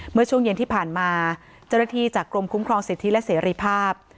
เมื่อช่วงเย็นที่ผ่านมาเจ้าหน้าที่จากกรมคุ้มครองสิทธิและเสรีภาพ